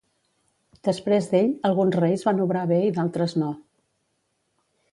Després d'ell, alguns reis van obrar bé i d'altres no.